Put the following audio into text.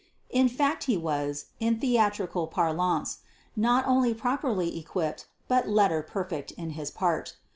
In fact he was, in theatrical parlance, not only properly equipped but "letter perfect" in his part.